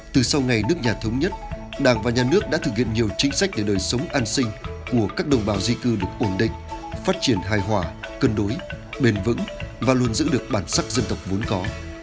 từ sau ngày nước nhà thống nhất đảng và nhà nước đã thực hiện nhiều chính sách để đời sống an sinh của các đồng bào di cư được ổn định phát triển hài hòa cân đối bền vững và luôn giữ được bản sắc dân tộc vốn có